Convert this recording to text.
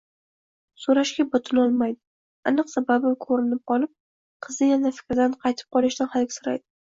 So`rashga botinolmaydi, aniq sababi ko`rinib qolib, qizi yana fikridan qaytib qolishidan hadiksiraydi